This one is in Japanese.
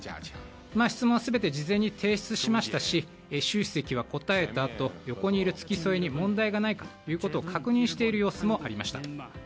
質問は全て事前に提出しましたし習主席は答えたあと横にいる付き添いに問題がないかということを確認している様子もありました。